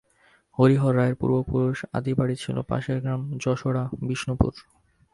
হরিহর রায়ের পূর্বপুরুষের আদি বাড়ী ছিল পাশের গ্রামে যশড়া-বিষ্ণুপুর।